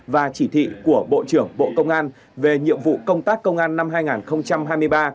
và chỉ thị của bộ trưởng bộ công an về nhiệm vụ công tác công an năm hai nghìn hai mươi ba